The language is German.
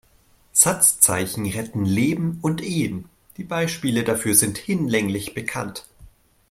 Satzzeichen retten Leben und Ehen, die Beispiele dafür sind hinlänglich bekannt.